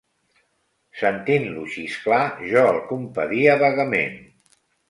Sentint-lo xisclar, jo el compadia vagament.